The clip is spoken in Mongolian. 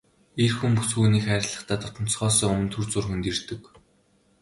Эр хүн бүсгүй хүнийг хайрлахдаа дотносохоосоо өмнө түр зуур хөндийрдөг.